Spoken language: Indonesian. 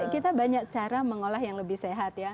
kita banyak cara mengolah yang lebih sehat ya